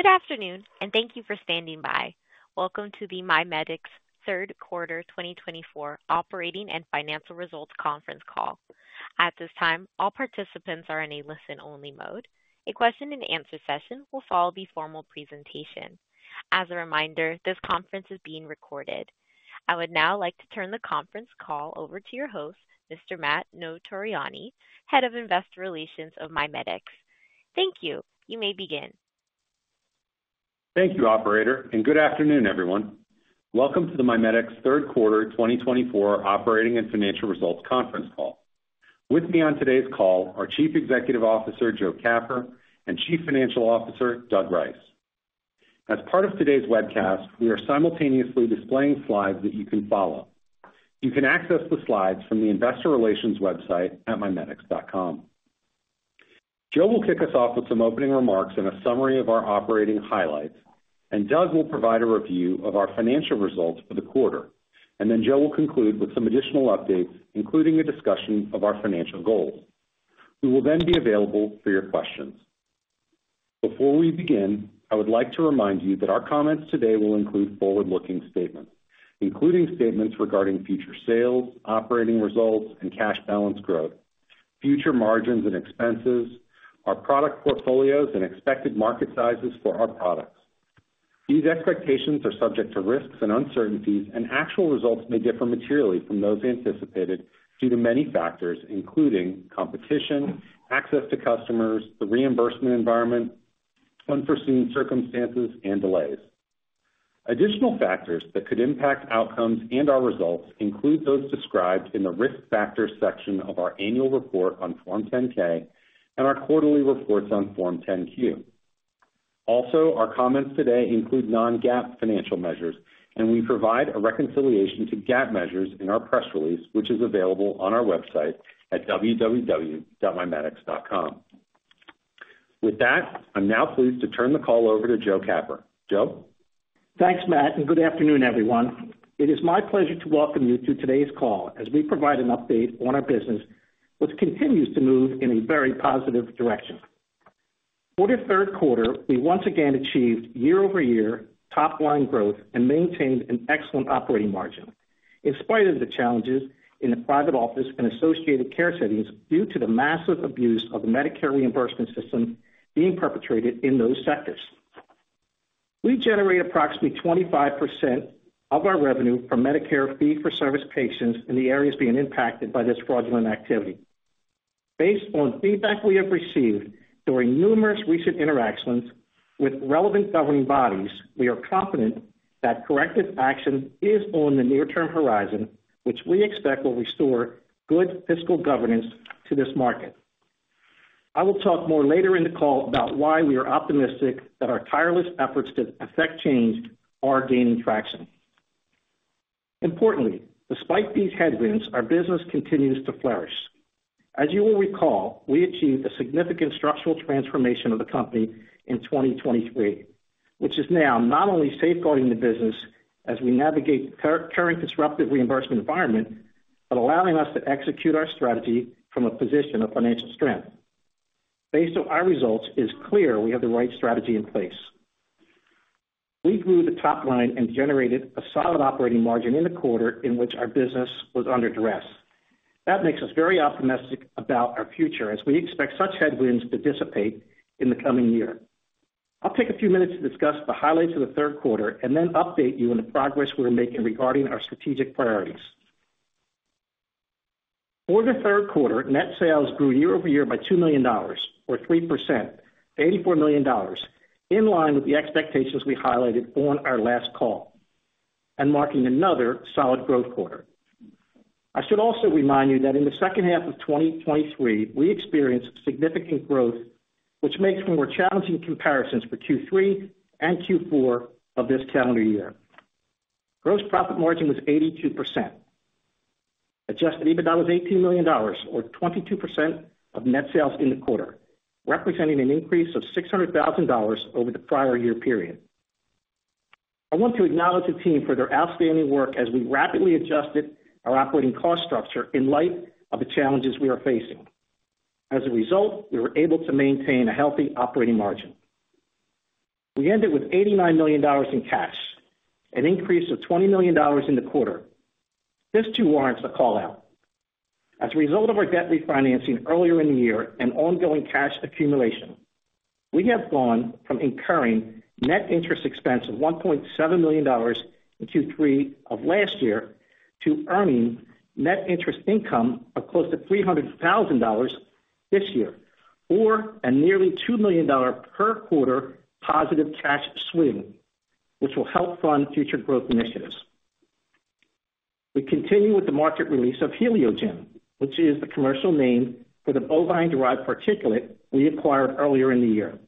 Good afternoon, and thank you for standing by. Welcome to the MiMedx Third Quarter 2024 Operating and Financial Results Conference call. At this time, all participants are in a listen-only mode. A question-and-answer session will follow the formal presentation. As a reminder, this conference is being recorded. I would now like to turn the conference call over to your host, Mr. Matt Notarianni, Head of Investor Relations of MiMedx. Thank you. You may begin. Thank you, Operator, and good afternoon, everyone. Welcome to the MiMedx Third Quarter 2024 Operating and Financial Results Conference call. With me on today's call are Chief Executive Officer Joe Capper and Chief Financial Officer Doug Rice. As part of today's webcast, we are simultaneously displaying slides that you can follow. You can access the slides from the Investor Relations website at MiMedx.com. Joe will kick us off with some opening remarks and a summary of our operating highlights, and Doug will provide a review of our financial results for the quarter, and then Joe will conclude with some additional updates, including a discussion of our financial goals. We will then be available for your questions. Before we begin, I would like to remind you that our comments today will include forward-looking statements, including statements regarding future sales, operating results, and cash balance growth, future margins and expenses, our product portfolios, and expected market sizes for our products. These expectations are subject to risks and uncertainties, and actual results may differ materially from those anticipated due to many factors, including competition, access to customers, the reimbursement environment, unforeseen circumstances, and delays. Additional factors that could impact outcomes and our results include those described in the risk factor section of our annual report on Form 10-K and our quarterly reports on Form 10-Q. Also, our comments today include non-GAAP financial measures, and we provide a reconciliation to GAAP measures in our press release, which is available on our website at www.MiMedx.com. With that, I'm now pleased to turn the call over to Joe Capper. Joe? Thanks, Matt, and good afternoon, everyone. It is my pleasure to welcome you to today's call as we provide an update on our business, which continues to move in a very positive direction. For the third quarter, we once again achieved year-over-year top-line growth and maintained an excellent operating margin, in spite of the challenges in the private office and associated care settings due to the massive abuse of the Medicare reimbursement system being perpetrated in those sectors. We generate approximately 25% of our revenue from Medicare fee-for-service patients in the areas being impacted by this fraudulent activity. Based on feedback we have received during numerous recent interactions with relevant governing bodies, we are confident that corrective action is on the near-term horizon, which we expect will restore good fiscal governance to this market. I will talk more later in the call about why we are optimistic that our tireless efforts to effect change are gaining traction. Importantly, despite these headwinds, our business continues to flourish. As you will recall, we achieved a significant structural transformation of the company in 2023, which is now not only safeguarding the business as we navigate the current disruptive reimbursement environment, but allowing us to execute our strategy from a position of financial strength. Based on our results, it is clear we have the right strategy in place. We grew the top line and generated a solid operating margin in the quarter in which our business was under duress. That makes us very optimistic about our future as we expect such headwinds to dissipate in the coming year. I'll take a few minutes to discuss the highlights of the third quarter and then update you on the progress we're making regarding our strategic priorities. For the third quarter, net sales grew year-over-year by $2 million, or 3%, $84 million, in line with the expectations we highlighted on our last call, and marking another solid growth quarter. I should also remind you that in the second half of 2023, we experienced significant growth, which makes for more challenging comparisons for Q3 and Q4 of this calendar year. Gross profit margin was 82%. Adjusted EBITDA was $18 million, or 22% of net sales in the quarter, representing an increase of $600,000 over the prior year period. I want to acknowledge the team for their outstanding work as we rapidly adjusted our operating cost structure in light of the challenges we are facing. As a result, we were able to maintain a healthy operating margin. We ended with $89 million in cash, an increase of $20 million in the quarter. This too warrants a call-out. As a result of our debt refinancing earlier in the year and ongoing cash accumulation, we have gone from incurring net interest expense of $1.7 million in Q3 of last year to earning net interest income of close to $300,000 this year, or a nearly $2 million per quarter positive cash swing, which will help fund future growth initiatives. We continue with the market release of HelioGen, which is the commercial name for the bovine-derived particulate we acquired earlier in the year.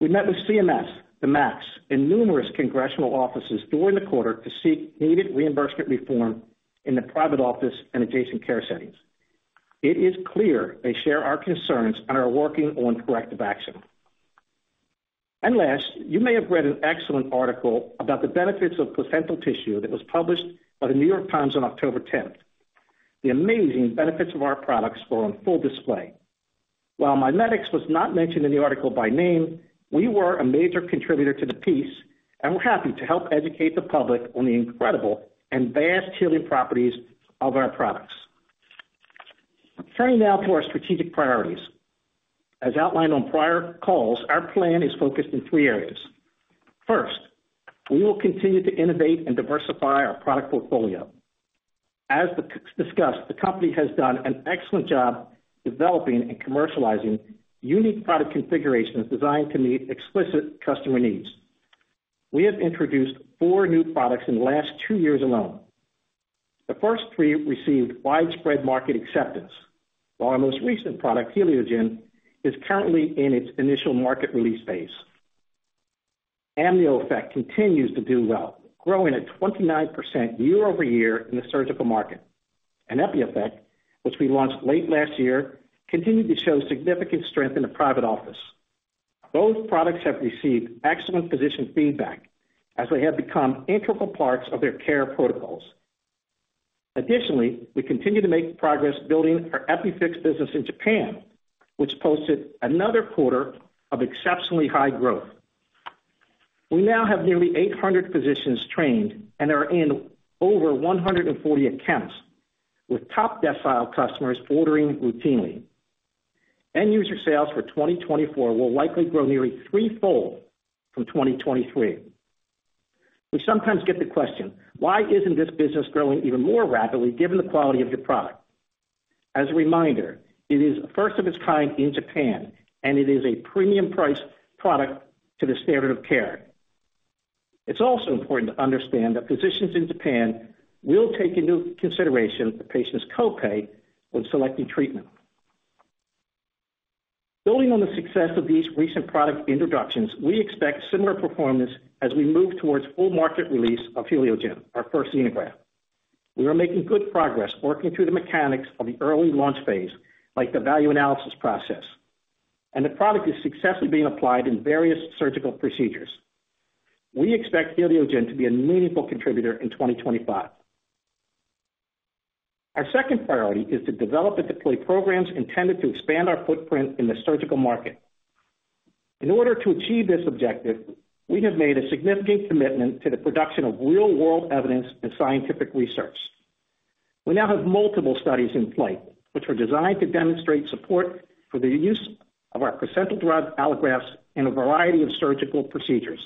We met with CMS, the MACs, and numerous congressional offices during the quarter to seek needed reimbursement reform in the private office and adjacent care settings. It is clear they share our concerns and are working on corrective action. And last, you may have read an excellent article about the benefits of placental tissue that was published by The New York Times on October 10th. The amazing benefits of our products were on full display. While MiMedx was not mentioned in the article by name, we were a major contributor to the piece, and we're happy to help educate the public on the incredible and vast healing properties of our products. Turning now to our strategic priorities. As outlined on prior calls, our plan is focused in three areas. First, we will continue to innovate and diversify our product portfolio. As discussed, the company has done an excellent job developing and commercializing unique product configurations designed to meet explicit customer needs. We have introduced four new products in the last two years alone. The first three received widespread market acceptance, while our most recent product, HelioGen, is currently in its initial market release phase. AmnioEffect continues to do well, growing at 29% year-over-year in the surgical market, and EpiEffect, which we launched late last year, continued to show significant strength in the private office. Both products have received excellent physician feedback as they have become integral parts of their care protocols. Additionally, we continue to make progress building our EpiFix business in Japan, which posted another quarter of exceptionally high growth. We now have nearly 800 physicians trained and are in over 140 accounts, with top decile customers ordering routinely. End-user sales for 2024 will likely grow nearly threefold from 2023. We sometimes get the question, "Why isn't this business growing even more rapidly given the quality of your product?" As a reminder, it is first of its kind in Japan, and it is a premium-priced product to the standard of care. It's also important to understand that physicians in Japan will take into consideration the patient's copay when selecting treatment. Building on the success of these recent product introductions, we expect similar performance as we move towards full market release of HelioGen, our first xenograft. We are making good progress working through the mechanics of the early launch phase, like the value analysis process, and the product is successfully being applied in various surgical procedures. We expect HelioGen to be a meaningful contributor in 2025. Our second priority is to develop and deploy programs intended to expand our footprint in the surgical market. In order to achieve this objective, we have made a significant commitment to the production of real-world evidence and scientific research. We now have multiple studies in play, which were designed to demonstrate support for the use of our placental-derived allografts in a variety of surgical procedures.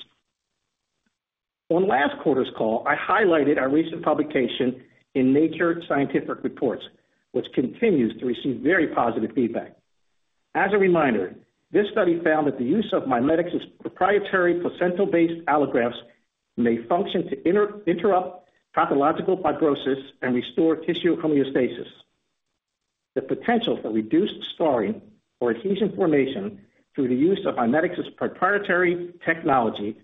On last quarter's call, I highlighted our recent publication in Nature Scientific Reports, which continues to receive very positive feedback. As a reminder, this study found that the use of MiMedx's proprietary placental-based allografts may function to interrupt pathological fibrosis and restore tissue homeostasis. The potential for reduced scarring or adhesion formation through the use of MiMedx's proprietary technology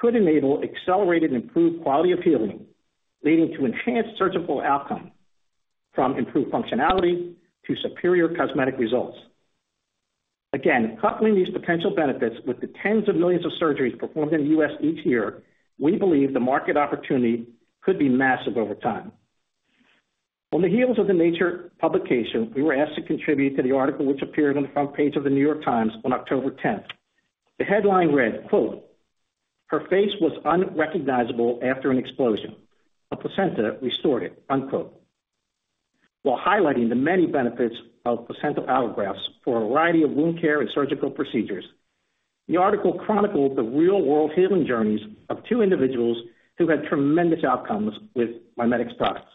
could enable accelerated and improved quality of healing, leading to enhanced surgical outcome, from improved functionality to superior cosmetic results. Again, coupling these potential benefits with the tens of millions of surgeries performed in the U.S. Each year, we believe the market opportunity could be massive over time. On the heels of the Nature publication, we were asked to contribute to the article which appeared on the front page of The New York Times on October 10th. The headline read, "Her face was unrecognizable after an explosion. A placenta restored," while highlighting the many benefits of placental allografts for a variety of wound care and surgical procedures. The article chronicled the real-world healing journeys of two individuals who had tremendous outcomes with MiMedx products.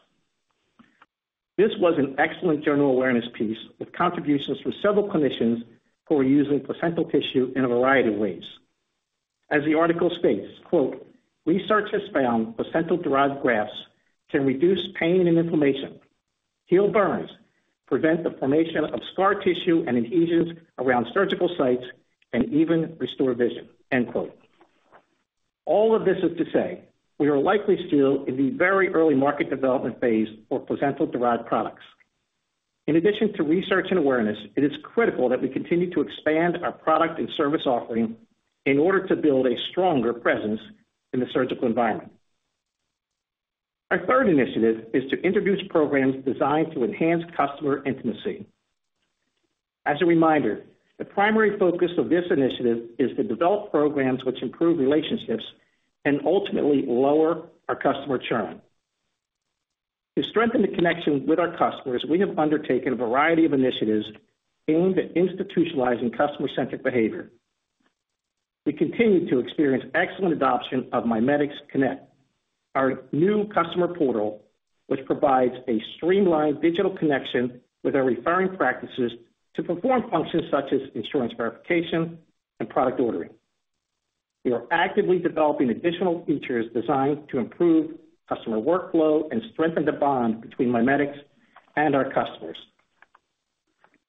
This was an excellent general awareness piece with contributions from several clinicians who were using placental tissue in a variety of ways. As the article states, "Research has found placental-derived grafts can reduce pain and inflammation, heal burns, prevent the formation of scar tissue and adhesions around surgical sites, and even restore vision." All of this is to say we are likely still in the very early market development phase for placental-derived products. In addition to research and awareness, it is critical that we continue to expand our product and service offering in order to build a stronger presence in the surgical environment. Our third initiative is to introduce programs designed to enhance customer intimacy. As a reminder, the primary focus of this initiative is to develop programs which improve relationships and ultimately lower our customer churn. To strengthen the connection with our customers, we have undertaken a variety of initiatives aimed at institutionalizing customer-centric behavior. We continue to experience excellent adoption of MiMedx Connect, our new customer portal, which provides a streamlined digital connection with our referring practices to perform functions such as insurance verification and product ordering. We are actively developing additional features designed to improve customer workflow and strengthen the bond between MiMedx and our customers.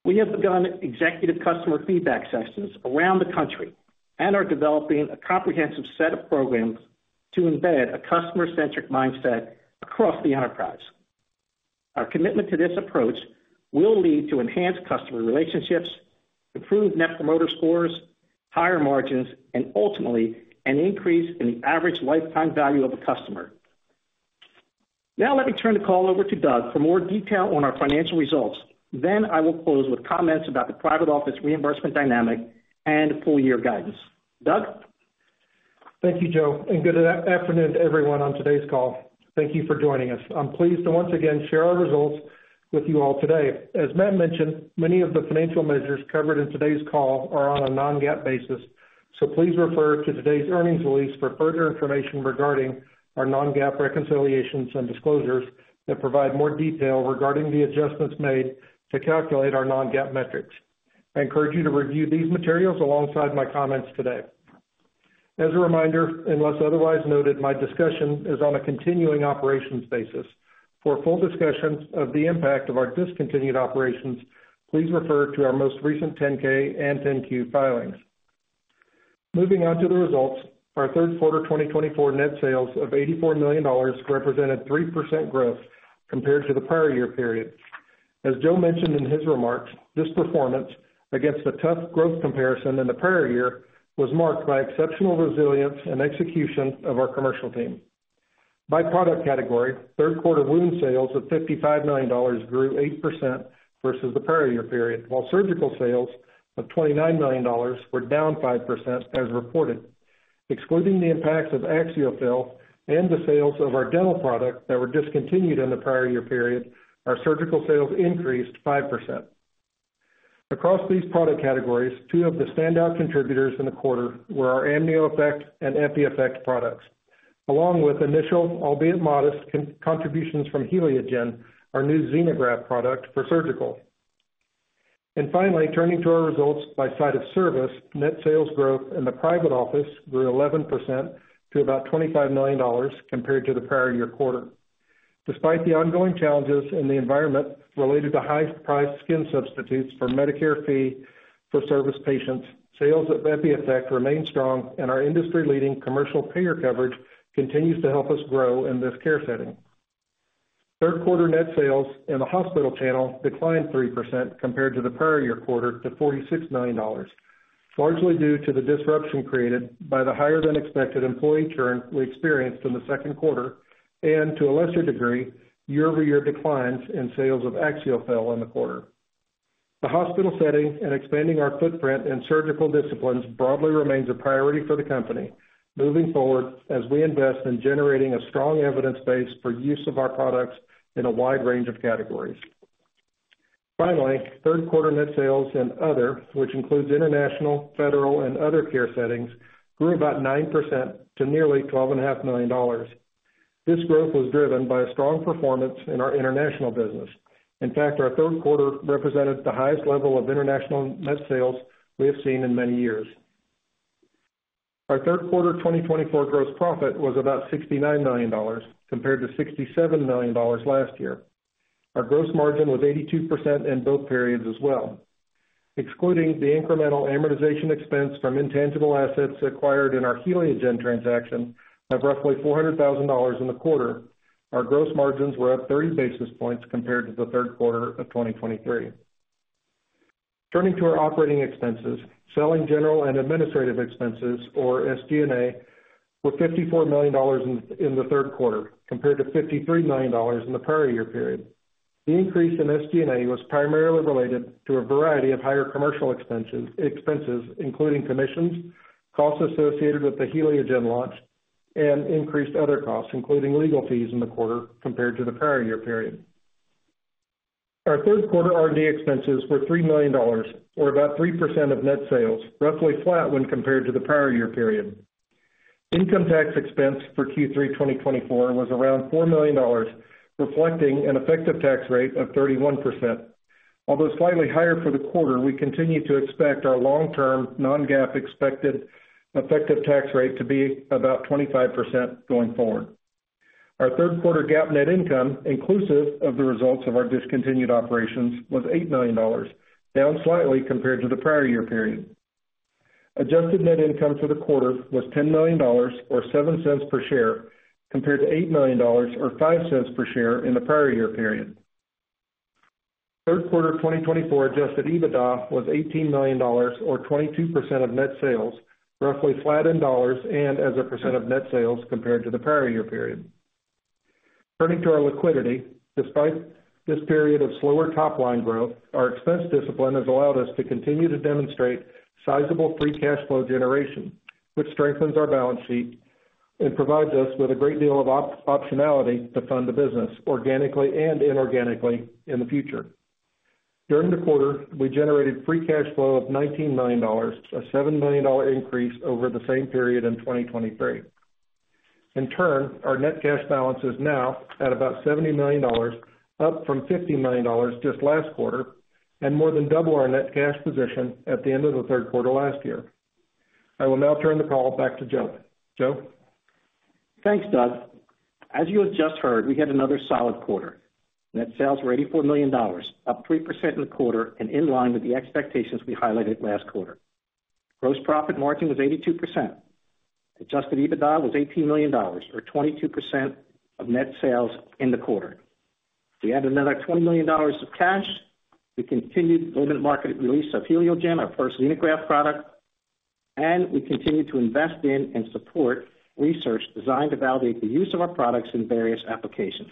We have begun executive customer feedback sessions around the country and are developing a comprehensive set of programs to embed a customer-centric mindset across the enterprise. Our commitment to this approach will lead to enhanced customer relationships, improved Net Promoter Scores, higher margins, and ultimately an increase in the average lifetime value of a customer. Now, let me turn the call over to Doug for more detail on our financial results. Then I will close with comments about the private office reimbursement dynamic and full-year guidance. Doug? Thank you, Joe. Good afternoon to everyone on today's call. Thank you for joining us. I'm pleased to once again share our results with you all today. As Matt mentioned, many of the financial measures covered in today's call are on a non-GAAP basis, so please refer to today's earnings release for further information regarding our non-GAAP reconciliations and disclosures that provide more detail regarding the adjustments made to calculate our non-GAAP metrics. I encourage you to review these materials alongside my comments today. As a reminder, unless otherwise noted, my discussion is on a continuing operations basis. For full discussion of the impact of our discontinued operations, please refer to our most recent 10-K and 10-Q filings. Moving on to the results, our third quarter 2024 net sales of $84 million represented 3% growth compared to the prior year period. As Joe mentioned in his remarks, this performance against the tough growth comparison in the prior year was marked by exceptional resilience and execution of our commercial team. By product category, third quarter wound sales of $55 million grew 8% versus the prior year period, while surgical sales of $29 million were down 5% as reported. Excluding the impacts of AxioFill and the sales of our dental product that were discontinued in the prior year period, our surgical sales increased 5%. Across these product categories, two of the standout contributors in the quarter were our AmnioEffect and EpiEffect products, along with initial, albeit modest, contributions from HelioGen, our new xenograft product for surgical. And finally, turning to our results by site of service, net sales growth in the private office grew 11% to about $25 million compared to the prior year quarter. Despite the ongoing challenges in the environment related to high-priced skin substitutes for Medicare fee-for-service patients, sales of EpiEffect remain strong, and our industry-leading commercial payer coverage continues to help us grow in this care setting. Third quarter net sales in the hospital channel declined 3% compared to the prior year quarter to $46 million, largely due to the disruption created by the higher-than-expected employee churn we experienced in the second quarter and, to a lesser degree, year-over-year declines in sales of AxioFill in the quarter. The hospital setting and expanding our footprint in surgical disciplines broadly remains a priority for the company moving forward as we invest in generating a strong evidence base for use of our products in a wide range of categories. Finally, third quarter net sales in other, which includes international, federal, and other care settings, grew about 9% to nearly $12.5 million. This growth was driven by a strong performance in our international business. In fact, our third quarter represented the highest level of international net sales we have seen in many years. Our third quarter 2024 gross profit was about $69 million compared to $67 million last year. Our gross margin was 82% in both periods as well. Excluding the incremental amortization expense from intangible assets acquired in our HelioGen transaction of roughly $400,000 in the quarter, our gross margins were up 30 basis points compared to the third quarter of 2023. Turning to our operating expenses, selling general and administrative expenses, or SG&A, were $54 million in the third quarter compared to $53 million in the prior year period. The increase in SG&A was primarily related to a variety of higher commercial expenses, including commissions, costs associated with the HelioGen launch, and increased other costs, including legal fees in the quarter compared to the prior year period. Our third quarter R&D expenses were $3 million, or about 3% of net sales, roughly flat when compared to the prior year period. Income tax expense for Q3 2024 was around $4 million, reflecting an effective tax rate of 31%. Although slightly higher for the quarter, we continue to expect our long-term non-GAAP expected effective tax rate to be about 25% going forward. Our third quarter GAAP net income, inclusive of the results of our discontinued operations, was $8 million, down slightly compared to the prior year period. Adjusted net income for the quarter was $10 million, or $0.07 per share, compared to $8 million, or $0.05 per share in the prior year period. Third quarter 2024 adjusted EBITDA was $18 million, or 22% of net sales, roughly flat in dollars and as a percent of net sales compared to the prior year period. Turning to our liquidity, despite this period of slower top-line growth, our expense discipline has allowed us to continue to demonstrate sizable free cash flow generation, which strengthens our balance sheet and provides us with a great deal of optionality to fund the business organically and inorganically in the future. During the quarter, we generated free cash flow of $19 million, a $7 million increase over the same period in 2023. In turn, our net cash balance is now at about $70 million, up from $50 million just last quarter and more than double our net cash position at the end of the third quarter last year. I will now turn the call back to Joe. Joe? Thanks, Doug. As you have just heard, we had another solid quarter. Net sales were $84 million, up 3% in the quarter and in line with the expectations we highlighted last quarter. Gross profit margin was 82%. Adjusted EBITDA was $18 million, or 22% of net sales in the quarter. We added another $20 million of cash. We continued limited market release of HelioGen, our first xenograft product, and we continued to invest in and support research designed to validate the use of our products in various applications.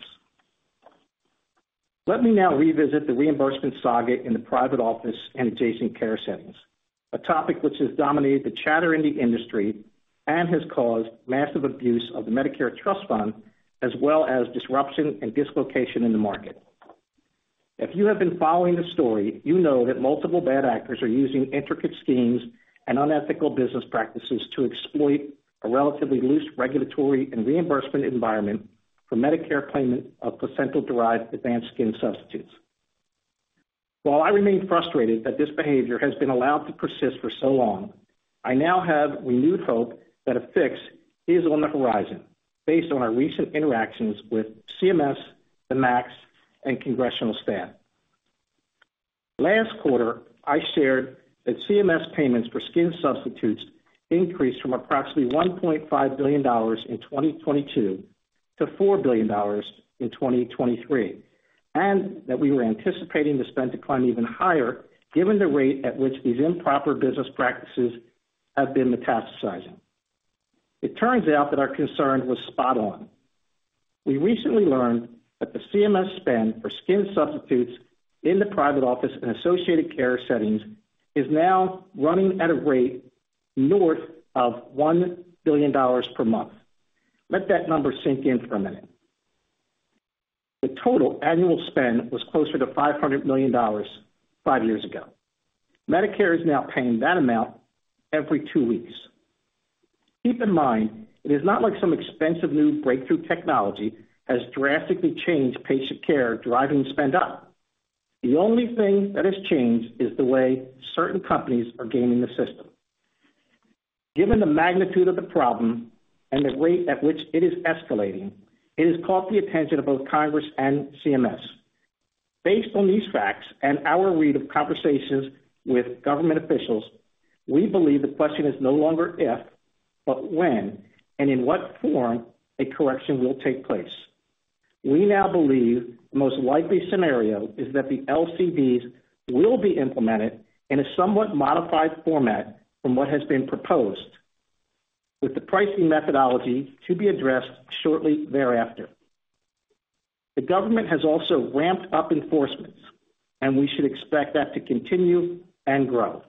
Let me now revisit the reimbursement saga in the private office and adjacent care settings, a topic which has dominated the chatter in the industry and has caused massive abuse of the Medicare Trust Fund, as well as disruption and dislocation in the market. If you have been following the story, you know that multiple bad actors are using intricate schemes and unethical business practices to exploit a relatively loose regulatory and reimbursement environment for Medicare payment of placental-derived advanced skin substitutes. While I remain frustrated that this behavior has been allowed to persist for so long, I now have renewed hope that a fix is on the horizon based on our recent interactions with CMS, the MACs, and Congressional staff. Last quarter, I shared that CMS payments for skin substitutes increased from approximately $1.5 billion in 2022 to $4 billion in 2023, and that we were anticipating the spend to climb even higher given the rate at which these improper business practices have been metastasizing. It turns out that our concern was spot on. We recently learned that the CMS spend for skin substitutes in the private office and associated care settings is now running at a rate north of $1 billion per month. Let that number sink in for a minute. The total annual spend was closer to $500 million five years ago. Medicare is now paying that amount every two weeks. Keep in mind, it is not like some expensive new breakthrough technology has drastically changed patient care, driving spend up. The only thing that has changed is the way certain companies are gaming the system. Given the magnitude of the problem and the rate at which it is escalating, it has caught the attention of both Congress and CMS. Based on these facts and our read of conversations with government officials, we believe the question is no longer if, but when and in what form a correction will take place. We now believe the most likely scenario is that the LCDs will be implemented in a somewhat modified format from what has been proposed, with the pricing methodology to be addressed shortly thereafter. The government has also ramped up enforcement, and we should expect that to continue and grow.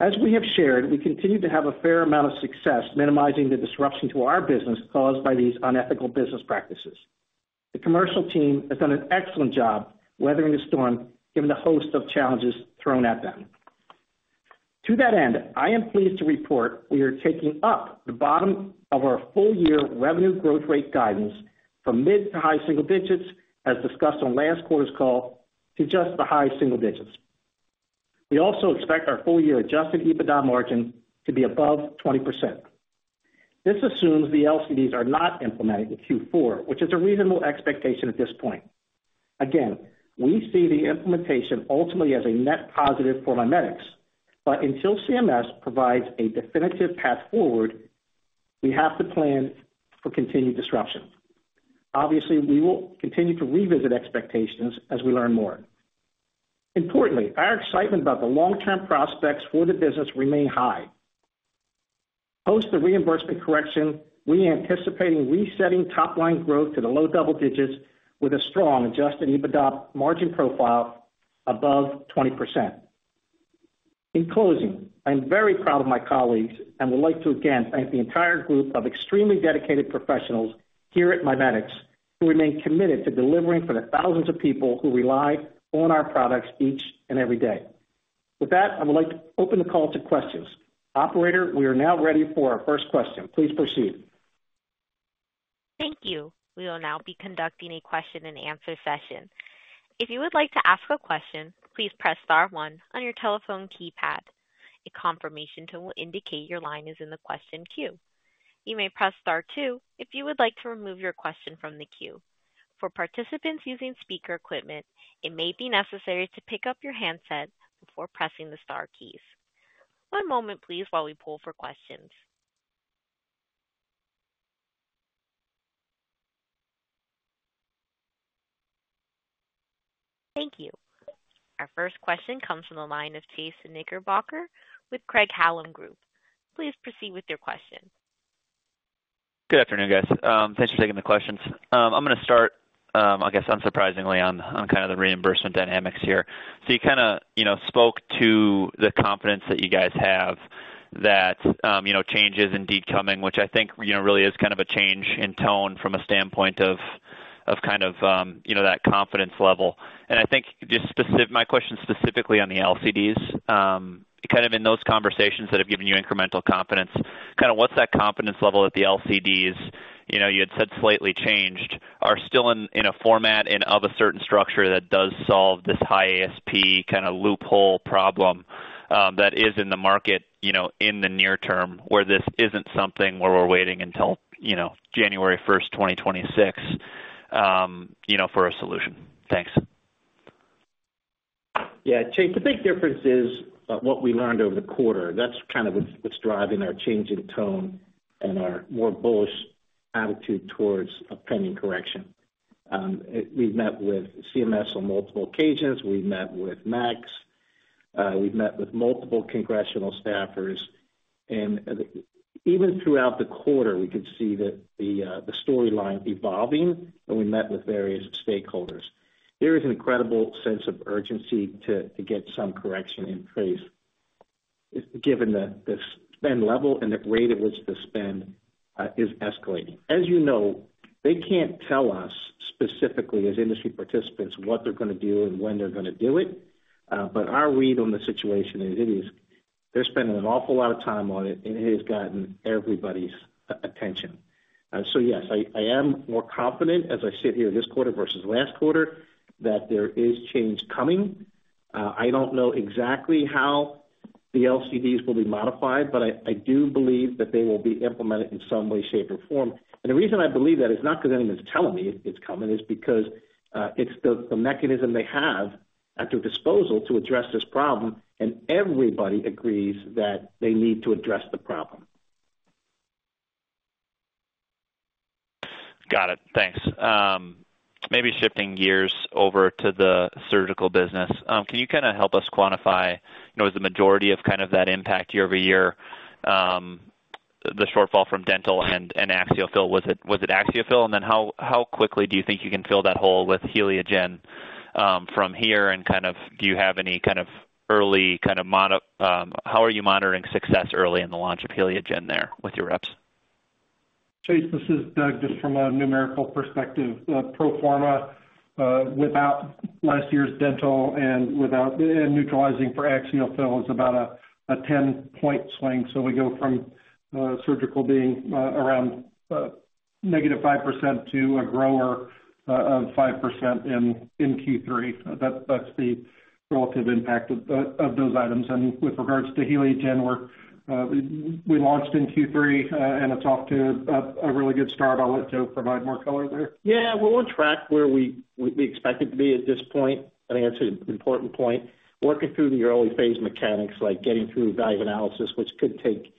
As we have shared, we continue to have a fair amount of success minimizing the disruption to our business caused by these unethical business practices. The commercial team has done an excellent job weathering the storm given the host of challenges thrown at them. To that end, I am pleased to report we are taking up the bottom of our full-year revenue growth rate guidance from mid to high single digits, as discussed on last quarter's call, to just the high single digits. We also expect our full-year Adjusted EBITDA margin to be above 20%. This assumes the LCDs are not implemented in Q4, which is a reasonable expectation at this point. Again, we see the implementation ultimately as a net positive for MiMedx, but until CMS provides a definitive path forward, we have to plan for continued disruption. Obviously, we will continue to revisit expectations as we learn more. Importantly, our excitement about the long-term prospects for the business remains high. Post the reimbursement correction, we are anticipating resetting top-line growth to the low double digits with a strong Adjusted EBITDA margin profile above 20%. In closing, I'm very proud of my colleagues and would like to again thank the entire group of extremely dedicated professionals here at MiMedx who remain committed to delivering for the thousands of people who rely on our products each and every day. With that, I would like to open the call to questions. Operator, we are now ready for our first question. Please proceed. Thank you. We will now be conducting a question-and-answer session. If you would like to ask a question, please press star one on your telephone keypad. A confirmation tool will indicate your line is in the question queue. You may press star two if you would like to remove your question from the queue. For participants using speaker equipment, it may be necessary to pick up your handset before pressing the star keys. One moment, please, while we pull for questions. Thank you. Our first question comes from the line of Chase Knickerbocker with Craig-Hallum Capital Group. Please proceed with your question. Good afternoon, guys. Thanks for taking the questions. I'm going to start, I guess, unsurprisingly, on kind of the reimbursement dynamics here. So you kind of spoke to the confidence that you guys have that changes indeed coming, which I think really is kind of a change in tone from a standpoint of kind of that confidence level. And I think just my question specifically on the LCDs, kind of in those conversations that have given you incremental confidence, kind of what's that confidence level that the LCDs, you had said slightly changed, are still in a format and of a certain structure that does solve this high ASP kind of loophole problem that is in the market in the near term where this isn't something where we're waiting until January 1st, 2026 for a solution. Thanks. Yeah. Chase, the big difference is what we learned over the quarter. That's kind of what's driving our change in tone and our more bullish attitude towards a pending correction. We've met with CMS on multiple occasions. We've met with MACs. We've met with multiple congressional staffers, and even throughout the quarter, we could see the storyline evolving, and we met with various stakeholders. There is an incredible sense of urgency to get some correction in place given the spend level and the rate at which the spend is escalating. As you know, they can't tell us specifically as industry participants what they're going to do and when they're going to do it, but our read on the situation is they're spending an awful lot of time on it, and it has gotten everybody's attention. So yes, I am more confident as I sit here this quarter versus last quarter that there is change coming. I don't know exactly how the LCDs will be modified, but I do believe that they will be implemented in some way, shape, or form. And the reason I believe that is not because anyone's telling me it's coming is because it's the mechanism they have at their disposal to address this problem, and everybody agrees that they need to address the problem. Got it. Thanks. Maybe shifting gears over to the surgical business, can you kind of help us quantify the majority of kind of that impact year over year, the shortfall from dental and AxioFill? Was it AxioFill? And then how quickly do you think you can fill that hole with HelioGen from here? And kind of do you have any kind of early kind of how are you monitoring success early in the launch of HelioGen there with your reps? Chase, this is Doug just from a numerical perspective. Pro forma, without last year's dental and neutralizing for AxioFill, is about a 10-point swing. So we go from surgical being around negative 5% to a grower of 5% in Q3. That's the relative impact of those items. And with regards to HelioGen, we launched in Q3, and it's off to a really good start. I'll let Joe provide more color there. Yeah. We're on track where we expect it to be at this point. I think that's an important point. Working through the early phase mechanics, like getting through value analysis, which could take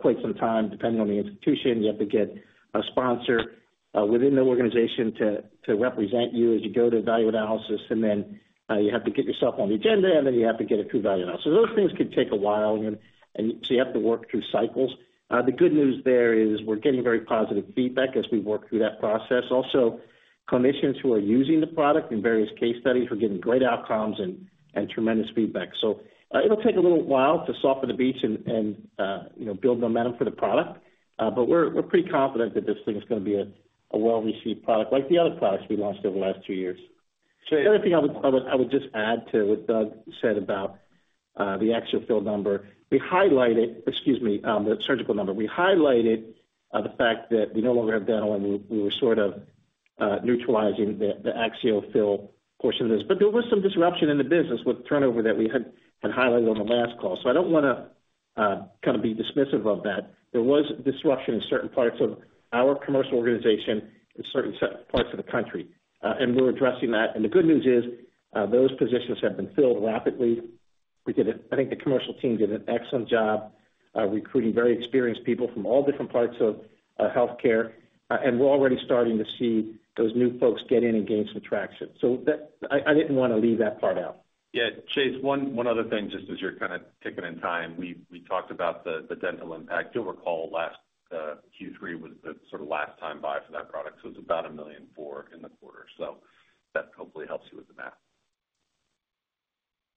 quite some time depending on the institution. You have to get a sponsor within the organization to represent you as you go to value analysis, and then you have to get yourself on the agenda, and then you have to get it through value analysis. Those things could take a while, and so you have to work through cycles. The good news there is we're getting very positive feedback as we work through that process. Also, clinicians who are using the product in various case studies are getting great outcomes and tremendous feedback. So it'll take a little while to soften the beachhead and build momentum for the product, but we're pretty confident that this thing is going to be a well-received product like the other products we launched over the last two years. The other thing I would just add to what Doug said about the AxioFill number, we highlighted, excuse me, the surgical number. We highlighted the fact that we no longer have dental and we were sort of neutralizing the AxioFill portion of this. But there was some disruption in the business with turnover that we had highlighted on the last call. So I don't want to kind of be dismissive of that. There was disruption in certain parts of our commercial organization and certain parts of the country, and we're addressing that. And the good news is those positions have been filled rapidly. I think the commercial team did an excellent job recruiting very experienced people from all different parts of healthcare, and we're already starting to see those new folks get in and gain some traction. So I didn't want to leave that part out. Yeah. Chase, one other thing, just as you're kind of ticking in time, we talked about the dental impact. Do you recall last Q3 was the sort of last time buy for that product? So it was about $1 million in the quarter. So that hopefully helps you with the math.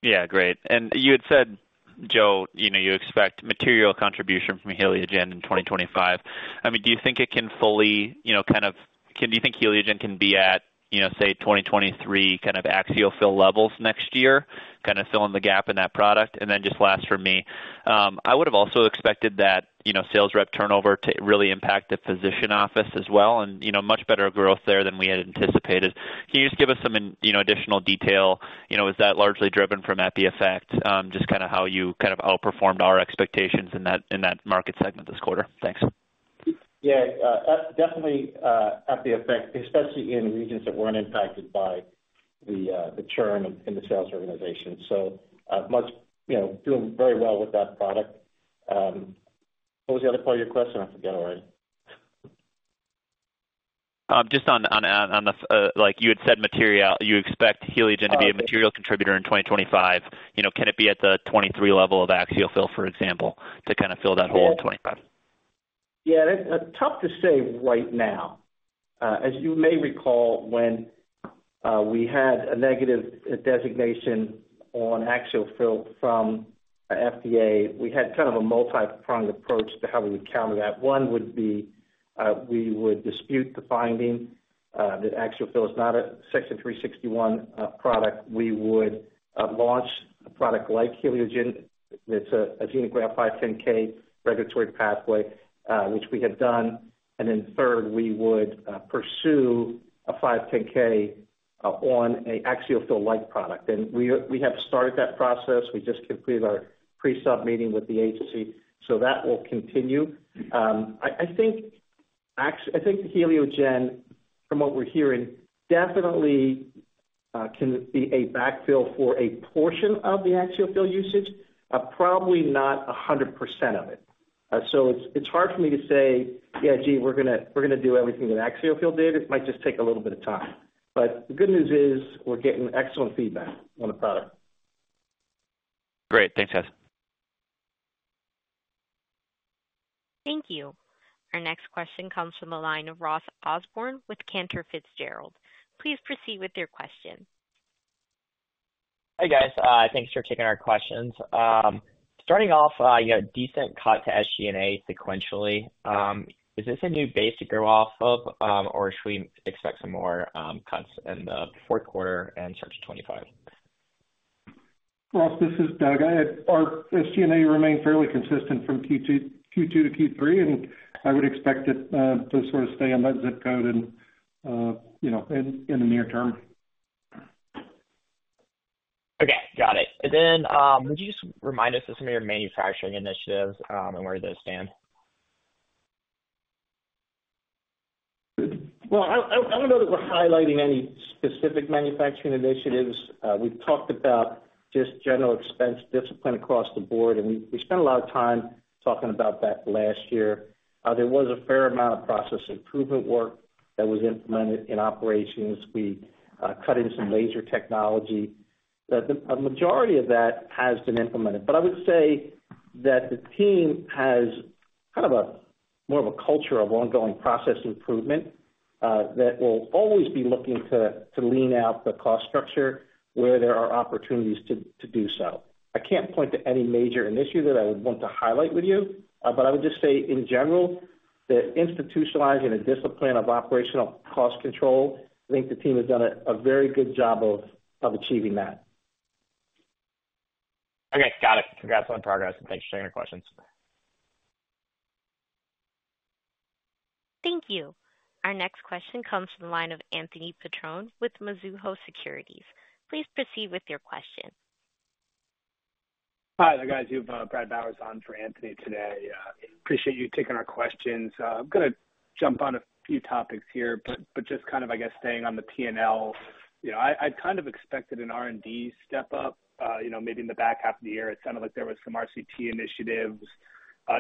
Yeah. Great. And you had said, Joe, you expect material contribution from HelioGen in 2025. I mean, do you think it can fully kind of, do you think HelioGen can be at, say, 2023 kind of AxioFill levels next year, kind of filling the gap in that product? And then just last for me, I would have also expected that sales rep turnover to really impact the physician office as well and much better growth there than we had anticipated. Can you just give us some additional detail? Was that largely driven from EpiEffect, just kind of how you kind of outperformed our expectations in that market segment this quarter? Thanks. Yeah. Definitely EpiEffect, especially in regions that weren't impacted by the churn in the sales organization. So doing very well with that product. What was the other part of your question? I forgot already. Just on the—like you had said, you expect HelioGen to be a material contributor in 2025. Can it be at the 23 level of AxioFill, for example, to kind of fill that hole in 25? Yeah. It's tough to say right now. As you may recall, when we had a negative designation on AxioFill from FDA, we had kind of a multi-pronged approach to how we would counter that. One would be we would dispute the finding that AxioFill is not a Section 361 product. We would launch a product like HelioGen that's a xenograft 510(k) regulatory pathway, which we have done. And then third, we would pursue a 510(k) on an AxioFill-like product. And we have started that process. We just completed our pre-sub meeting with the agency. So that will continue. I think HelioGen, from what we're hearing, definitely can be a backfill for a portion of the AxioFill usage, probably not 100% of it. So it's hard for me to say, "Yeah, gee, we're going to do everything that AxioFill did." It might just take a little bit of time. But the good news is we're getting excellent feedback on the product. Great. Thanks, guys. Thank you. Our next question comes from the line of Ross Osborn with Cantor Fitzgerald. Please proceed with your question. Hey, guys. Thanks for taking our questions. Starting off, you had decent cut to SG&A sequentially. Is this a new base to go off of, or should we expect some more cuts in the fourth quarter and start to 2025? Ross, this is Doug. Our SG&A remained fairly consistent from Q2 to Q3, and I would expect it to sort of stay on that zip code in the near term. Okay. Got it, and then would you just remind us of some of your manufacturing initiatives and where those stand? I don't know that we're highlighting any specific manufacturing initiatives. We've talked about just general expense discipline across the board, and we spent a lot of time talking about that last year. There was a fair amount of process improvement work that was implemented in operations. We cut in some laser technology. A majority of that has been implemented. But I would say that the team has kind of more of a culture of ongoing process improvement that will always be looking to lean out the cost structure where there are opportunities to do so. I can't point to any major initiative that I would want to highlight with you, but I would just say, in general, that institutionalizing a discipline of operational cost control, I think the team has done a very good job of achieving that. Okay. Got it. Congrats on the progress, and thanks for taking our questions. Thank you. Our next question comes from the line of Anthony Petrone with Mizuho Securities. Please proceed with your question. Hi, hi guys. You have Brad Bowers on for Anthony today. Appreciate you taking our questions. I'm going to jump on a few topics here, but just kind of, I guess, staying on the P&L. I'd kind of expected an R&D step up maybe in the back half of the year. It sounded like there were some RCT initiatives.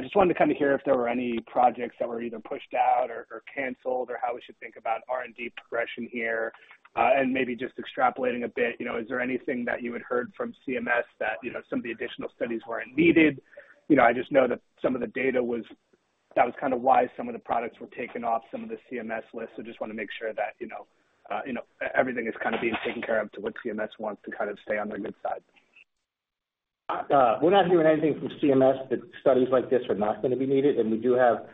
Just wanted to kind of hear if there were any projects that were either pushed out or canceled or how we should think about R&D progression here. And maybe just extrapolating a bit, is there anything that you had heard from CMS that some of the additional studies weren't needed? I just know that some of the data was that kind of why some of the products were taken off some of the CMS lists. So, just want to make sure that everything is kind of being taken care of to what CMS wants to kind of stay on the good side. We're not hearing anything from CMS that studies like this are not going to be needed. And we do have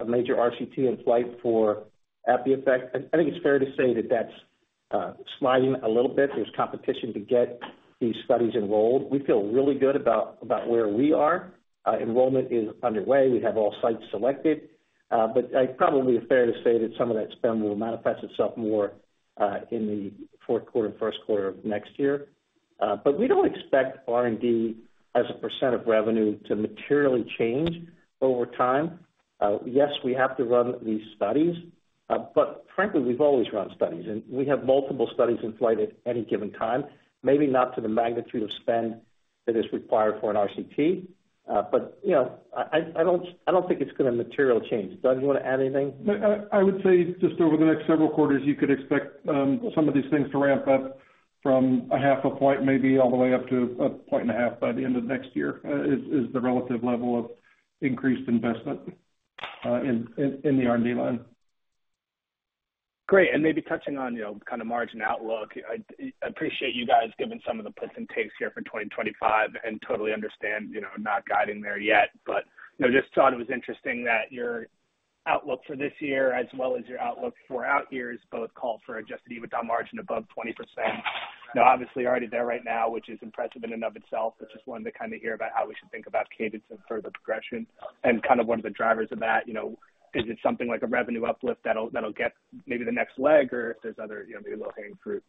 a major RCT in flight for EpiEffect. I think it's fair to say that that's sliding a little bit. There's competition to get these studies enrolled. We feel really good about where we are. Enrollment is underway. We have all sites selected. But I probably would be fair to say that some of that spend will manifest itself more in the fourth quarter and first quarter of next year. But we don't expect R&D as a % of revenue to materially change over time. Yes, we have to run these studies. But frankly, we've always run studies. And we have multiple studies in flight at any given time, maybe not to the magnitude of spend that is required for an RCT. But I don't think it's going to material change. Doug, do you want to add anything? I would say, just over the next several quarters, you could expect some of these things to ramp up from half a point maybe all the way up to a point and a half by the end of next year, is the relative level of increased investment in the R&D line. Great. And maybe touching on kind of margin outlook, I appreciate you guys giving some of the puts and takes here for 2025 and totally understand not guiding there yet. But just thought it was interesting that your outlook for this year as well as your outlook for out years both call for Adjusted EBITDA margin above 20%. Now, obviously, you're already there right now, which is impressive in and of itself. I just wanted to kind of hear about how we should think about cadence and further progression. And kind of one of the drivers of that, is it something like a revenue uplift that'll get maybe the next leg, or if there's other maybe low-hanging fruit?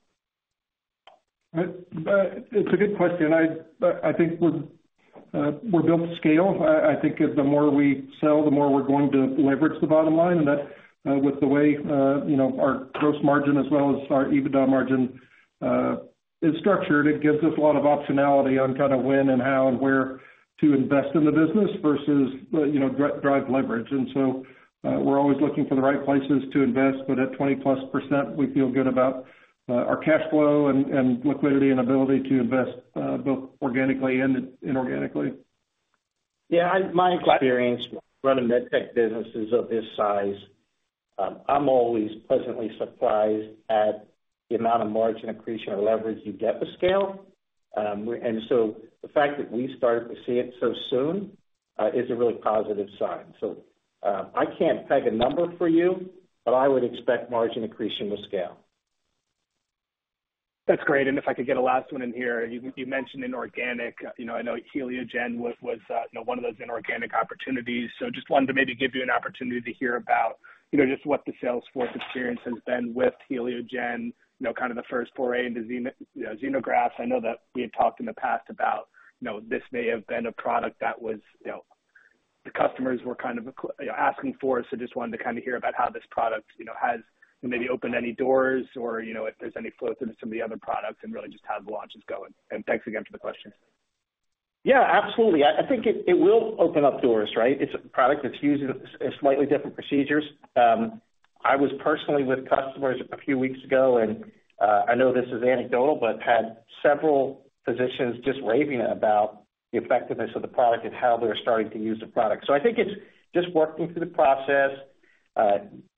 It's a good question. I think we're built to scale. I think the more we sell, the more we're going to leverage the bottom line. And with the way our gross margin as well as our EBITDA margin is structured, it gives us a lot of optionality on kind of when and how and where to invest in the business versus drive leverage. And so we're always looking for the right places to invest. But at 20%+, we feel good about our cash flow and liquidity and ability to invest both organically and inorganically. Yeah. My experience running med tech businesses of this size, I'm always pleasantly surprised at the amount of margin accretion or leverage you get with scale. And so the fact that we started to see it so soon is a really positive sign. So I can't peg a number for you, but I would expect margin accretion with scale. That's great. And if I could get a last one in here, you mentioned inorganic. I know HelioGen was one of those inorganic opportunities. So just wanted to maybe give you an opportunity to hear about just what the sales force experience has been with HelioGen, kind of the first foray into xenografts. I know that we had talked in the past about this may have been a product that the customers were kind of asking for. So just wanted to kind of hear about how this product has maybe opened any doors or if there's any flow through to some of the other products and really just how the launch is going. And thanks again for the question. Yeah. Absolutely. I think it will open up doors, right? It's a product that's using slightly different procedures. I was personally with customers a few weeks ago, and I know this is anecdotal, but had several physicians just raving about the effectiveness of the product and how they're starting to use the product. So I think it's just working through the process,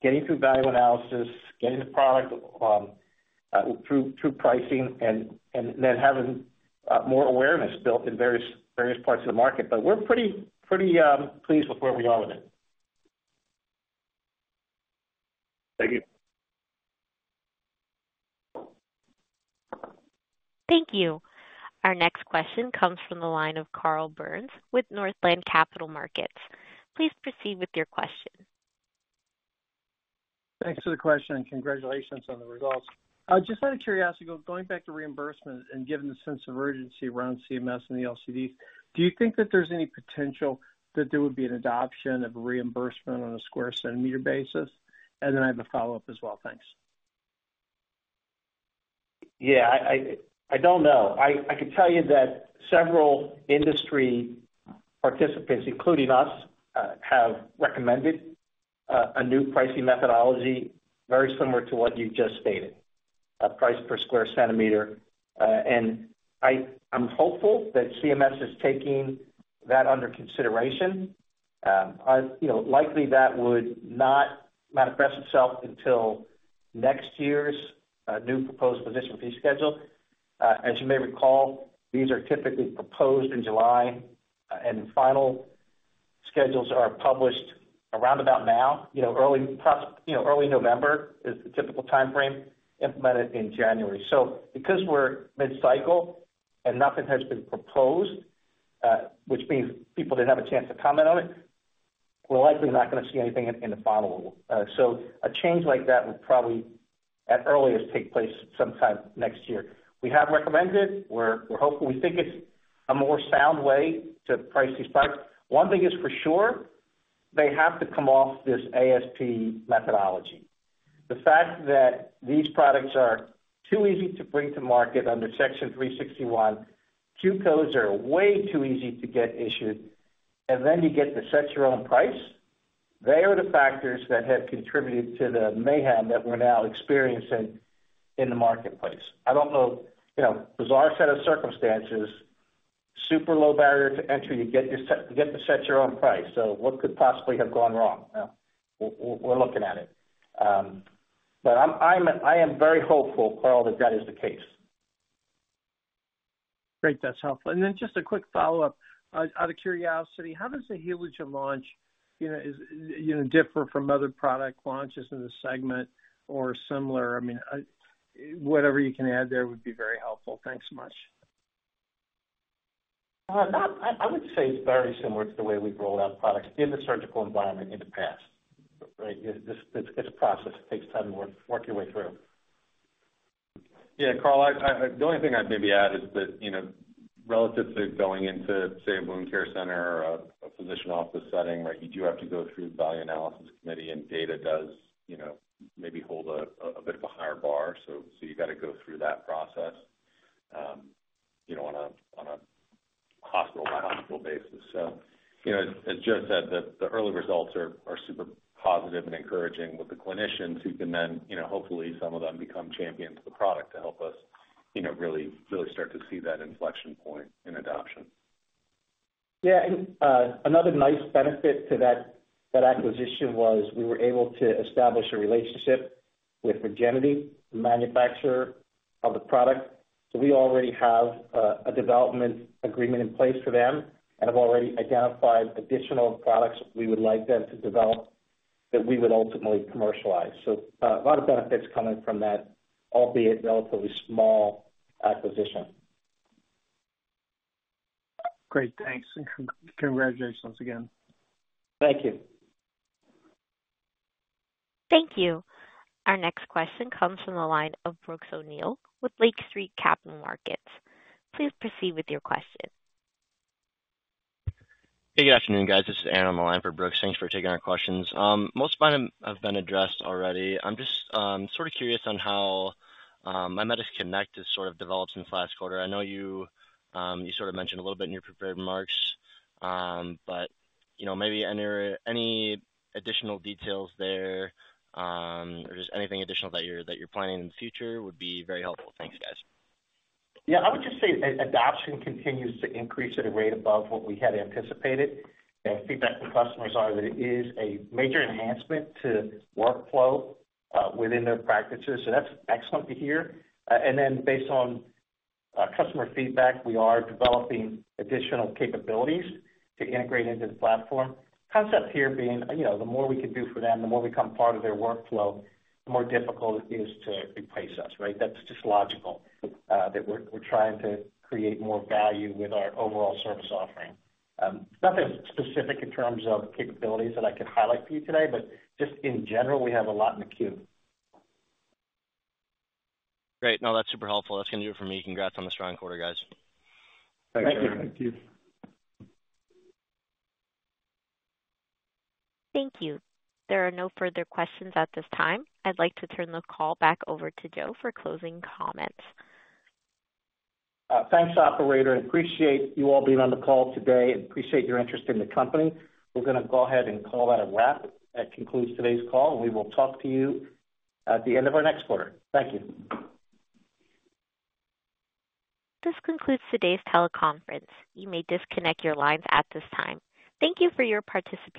getting through value analysis, getting the product through pricing, and then having more awareness built in various parts of the market. But we're pretty pleased with where we are with it. Thank you. Thank you. Our next question comes from the line of Carl Byrnes with Northland Capital Markets. Please proceed with your question. Thanks for the question, and congratulations on the results. Just out of curiosity, going back to reimbursement and given the sense of urgency around CMS and the LCDs, do you think that there's any potential that there would be an adoption of reimbursement on a square centimeter basis? And then I have a follow-up as well. Thanks. Yeah. I don't know. I can tell you that several industry participants, including us, have recommended a new pricing methodology very similar to what you just stated, price per square centimeter. And I'm hopeful that CMS is taking that under consideration. Likely, that would not manifest itself until next year's new proposed physician fee schedule. As you may recall, these are typically proposed in July, and final schedules are published around about now. Early November is the typical timeframe, implemented in January. So because we're mid-cycle and nothing has been proposed, which means people didn't have a chance to comment on it, we're likely not going to see anything in the follow-up. So a change like that would probably, at earliest, take place sometime next year. We have recommended it. We think it's a more sound way to price these products. One thing is for sure, they have to come off this ASP methodology. The fact that these products are too easy to bring to market under Section 361. Q codes are way too easy to get issued. And then you get the set-your-own price. They are the factors that have contributed to the mayhem that we're now experiencing in the marketplace. I don't know. Bizarre set of circumstances, super low barrier to entry to get the set-your-own price. So what could possibly have gone wrong? We're looking at it. But I am very hopeful, Carl, that that is the case. Great. That's helpful. And then just a quick follow-up. Out of curiosity, how does the HelioGen launch differ from other product launches in the segment or similar? I mean, whatever you can add there would be very helpful. Thanks so much. I would say it's very similar to the way we've rolled out products in the surgical environment in the past. It's a process. It takes time to work your way through. Yeah. Carl, the only thing I'd maybe add is that relative to going into, say, a wound care center or a physician office setting, right, you do have to go through the value analysis committee, and data does maybe hold a bit of a higher bar. So you got to go through that process on a hospital-by-hospital basis. So as Joe said, the early results are super positive and encouraging with the clinicians who can then hopefully, some of them become champions of the product to help us really start to see that inflection point in adoption. Yeah, and another nice benefit to that acquisition was we were able to establish a relationship with Regenity, the manufacturer of the product. So we already have a development agreement in place for them and have already identified additional products we would like them to develop that we would ultimately commercialize, so a lot of benefits coming from that, albeit relatively small acquisition. Great. Thanks. Congratulations again. Thank you. Thank you. Our next question comes from the line of Brooks O'Neil with Lake Street Capital Markets. Please proceed with your question. Hey, good afternoon, guys. This is Aaron on the line for Brooks. Thanks for taking our questions. Most of mine have been addressed already. I'm just sort of curious on how MiMedx Connect has sort of developed since last quarter. I know you sort of mentioned a little bit in your prepared remarks, but maybe any additional details there or just anything additional that you're planning in the future would be very helpful. Thanks, guys. Yeah. I would just say adoption continues to increase at a rate above what we had anticipated. And feedback from customers are that it is a major enhancement to workflow within their practices. So that's excellent to hear. And then based on customer feedback, we are developing additional capabilities to integrate into the platform. Concept here being, the more we can do for them, the more we become part of their workflow, the more difficult it is to replace us, right? That's just logical that we're trying to create more value with our overall service offering. Nothing specific in terms of capabilities that I could highlight for you today, but just in general, we have a lot in the queue. Great. No, that's super helpful. That's going to do it for me. Congrats on the strong quarter, guys. Thank you. Thank you. Thank you. There are no further questions at this time. I'd like to turn the call back over to Joe for closing comments. Thanks, operator. I appreciate you all being on the call today and appreciate your interest in the company. We're going to go ahead and call that a wrap. That concludes today's call. We will talk to you at the end of our next quarter. Thank you. This concludes today's teleconference. You may disconnect your lines at this time. Thank you for your participation.